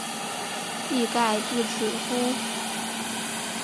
技盖至此乎？